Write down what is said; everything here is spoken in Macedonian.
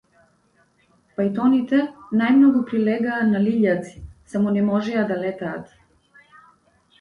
Пајтоните најмногу прилегаа на лилјаци, само не можеа да летаат.